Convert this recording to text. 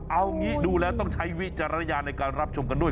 เอางี้ดูแล้วต้องใช้วิจารณญาณในการรับชมกันด้วย